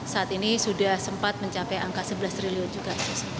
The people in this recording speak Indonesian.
saat ini sudah sempat mencapai angka sebelas triliun juga